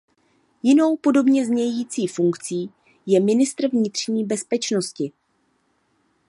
Jinou podobně znějící funkcí je ministr vnitřní bezpečnosti.